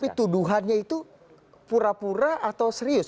tapi tuduhannya itu pura pura atau serius